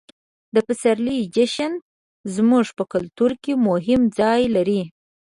د پسرلي جشن زموږ په کلتور کې مهم ځای لري.